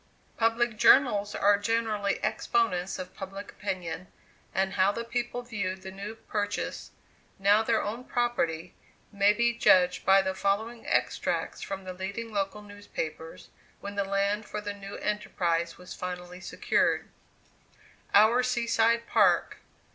Public journals are generally exponents of public opinion; and how the people viewed the new purchase, now their own property, may be judged by the following extracts from the leading local newspapers, when the land for the new enterprise was finally secured: OUR SEA SIDE PARK.